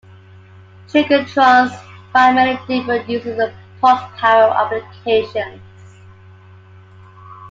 Trigatrons find many different uses in pulsed power applications.